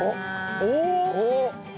おお！